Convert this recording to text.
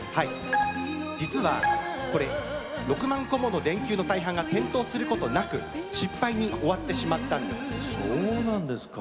実は６万個もの電球の大半が点灯することなく失敗に終わってしまったんです。